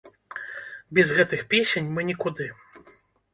Без гэтых песень мы нікуды!